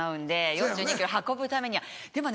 ４２ｋｍ運ぶためにはでもね